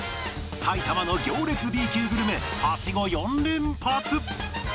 埼玉の行列 Ｂ 級グルメはしご４連発！